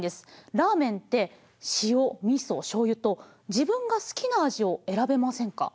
ラーメンって塩みそしょうゆと自分が好きな味を選べませんか？